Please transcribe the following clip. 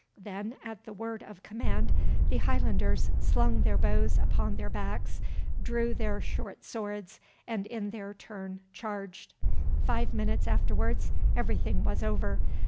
Then at the word of command, the Highlanders slung their bows upon their backs, drew their short swords, and in their turn charged. Five minutes afterwards everything was over.